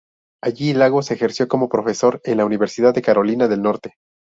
Allí, Lagos ejerció como profesor en la Universidad de Carolina del Norte.